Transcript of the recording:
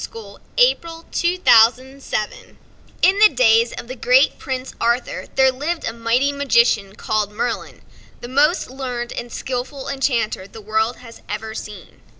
TOM THUMB Retold by Joseph Jacobs In the days of the great Prince Arthur, there lived a mighty magician, named Merlin, the most learned and skillful enchanter the world has ever seen.